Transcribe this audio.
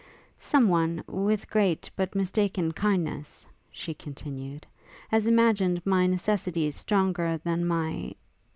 'Some one, with great, but mistaken kindness,' she continued, 'has imagined my necessities stronger than my